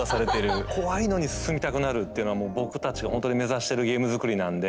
怖いのに進みたくなるっていうのはもう僕たちがほんとに目指してるゲーム作りなんで。